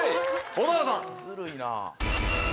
蛍原さん。